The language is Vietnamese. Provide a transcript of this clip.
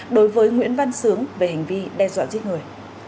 đối với nguyễn văn sướng về hành vi đe dọa giết người